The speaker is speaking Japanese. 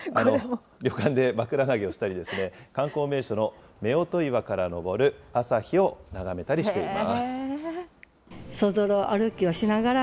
旅館で枕投げをしたりとか、観光名所の夫婦岩から昇る朝日を眺めたりしています。